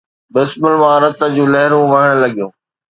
بسمل مان رت جون لهرون وهڻ لڳيون